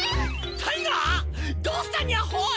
タイガどうしたニャホイ！？